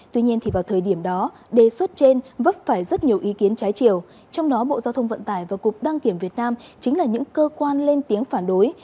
tuy nhiên thì vào thời điểm đó đề xuất trên vấp phải rất nhiều ý kiến trái chiều trong đó bộ giao thông vận tải và cục đăng kiểm việt nam chính là những cơ quan lên tiếng phản đối